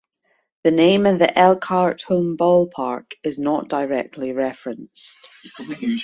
The name of the Elkhart home ballpark is not directly referenced.